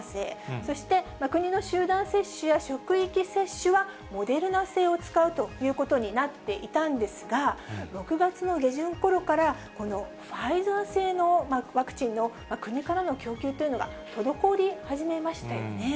そして国の集団接種や職域接種はモデルナ製を使うということになっていたんですが、６月の下旬ころからこのファイザー製のワクチンの国からの供給というのが滞り始めましたよね。